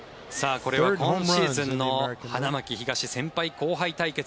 これは今シーズンの花巻東先輩後輩対決。